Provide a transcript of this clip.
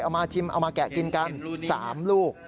เอามาชิมเอามาแกะกินกัน๓ลูก